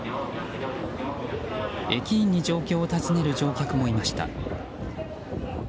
駅員に状況を尋ねる乗客もいました。